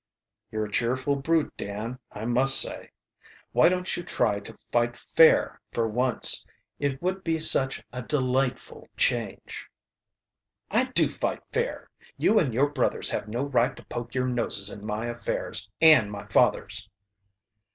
"You're a cheerful brute, Dan, I must say. Why don't you try to fight fair for once? It would be such a delightful change." "I do fight fair. You and your brothers have no right to poke your noses in my affairs, and my father's."